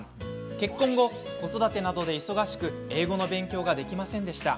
結婚後、子育てなどで忙しく英語の勉強ができませんでした。